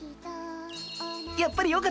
やっぱりよかった。